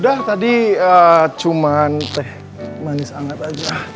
udah tadi cuma teh manis anget aja